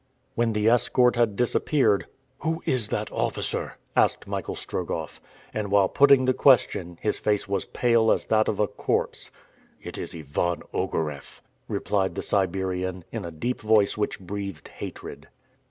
When the escort had disappeared, "Who is that officer?" asked Michael Strogoff. And while putting the question his face was pale as that of a corpse. "It is Ivan Ogareff," replied the Siberian, in a deep voice which breathed hatred.